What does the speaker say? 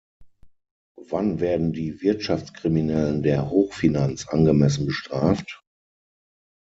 Wann werden die Wirtschaftkriminellen der Hochfinanz angemessen bestraft?